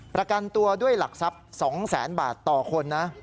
ประกันตัวด้วยหลักทรัพย์๒แสนบาทต่อคนนะ